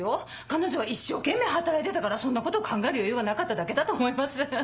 彼女は一生懸命働いてたからそんなこと考える余裕がなかっただけだと思います。